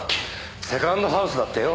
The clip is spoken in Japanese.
セカンドハウスだってよ。